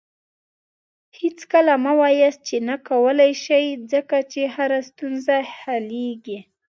هېڅکله مه وایاست چې نه کولی شې، ځکه چې هره ستونزه حلیږي.